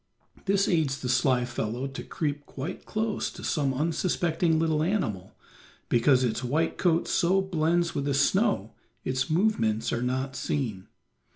This aids the sly fellow to creep quite close to some unsuspecting little animal, because its white coat so blends with the snow its movements are not seen.